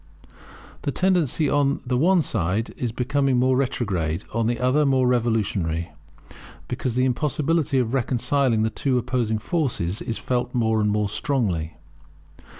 The tendency on the one side is becoming more retrograde, on the other more revolutionary; because the impossibility of reconciling the two opposing forces is felt more and more strongly.